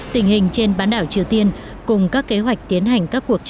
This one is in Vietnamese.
tình hình trên bán đảo triều tiên